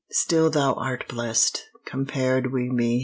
Still thou art blest, compared wi' me!